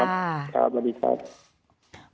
ครับสวัสดีครับ